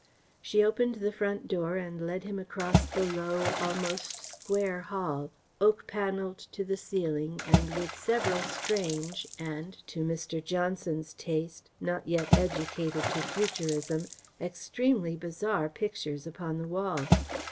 She opened the front door and led him across the low, almost square hall, oak panelled to the ceiling and with several strange and, to Mr. Johnson's taste, not yet educated to futurism, extremely bizarre pictures upon the wall.